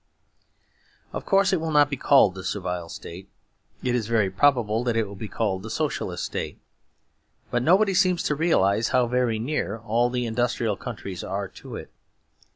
Of course it will not be called the Servile State; it is very probable that it will be called the Socialist State. But nobody seems to realise how very near all the industrial countries are to it.